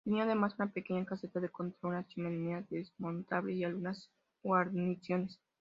Tenía además una pequeña caseta de control, una chimenea desmontable y algunas guarniciones.